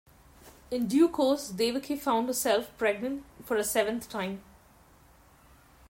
In due course, Devaki found herself pregnant for a seventh time.